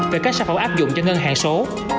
về cách sắp hậu áp dụng cho ngân hàng số